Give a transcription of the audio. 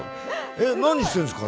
えっ何してんですか？